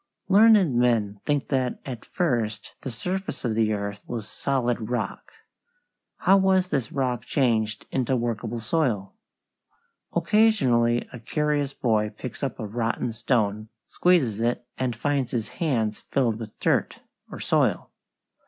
Learned men think that at first the surface of the earth was solid rock. How was this rock changed into workable soil? Occasionally a curious boy picks up a rotten stone, squeezes it, and finds his hands filled with dirt, or soil.